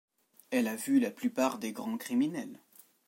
Elle a vu la plupart des grands criminels.